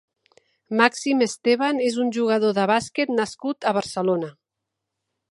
Màxim Esteban és un jugador de bàsquet nascut a Barcelona.